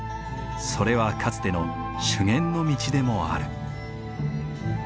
それはかつての修験の道でもある。